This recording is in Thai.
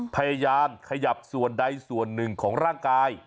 พยายามขยับส่วนใดส่วนหนึ่งของร่างกาย